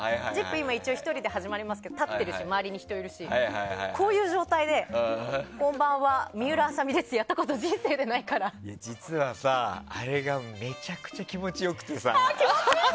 今一応１人で始まりますけど立ってるし周りに人いるしこういう状態で、こんばんは水卜麻美ですってやったこと実はさ、あれがめちゃくちゃ気持ち良くてさ。